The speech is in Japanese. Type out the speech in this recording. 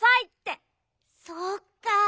そっか。